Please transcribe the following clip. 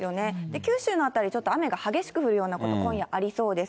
九州の辺り、ちょっと雨が激しく降るようなこと、今夜ありそうです。